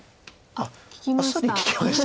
あっさり利きました。